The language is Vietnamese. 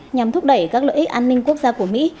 nhằm thúc đẩy các lợi ích an ninh quốc gia của mỹ